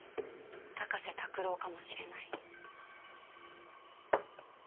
高瀬卓郎かもしれない。